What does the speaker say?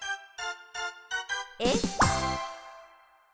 えっ？